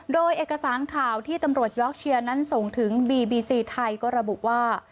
โดยเอกสารข่าวที่ตำรวจยอกเชียร์นั้นส่งถึงบีบีซีไทยก็ระบุว่า